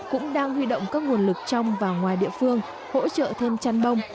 cũng đang huy động các nguồn lực trong và ngoài địa phương hỗ trợ thêm chăn bông